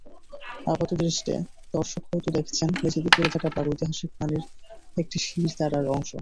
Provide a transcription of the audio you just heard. আপাতদৃষ্টে দর্শক হয়তো দেখছেন মেঝেতে পড়ে থাকা প্রাগৈতিহাসিক প্রাণীর একটি শিরদাঁড়ার অংশ।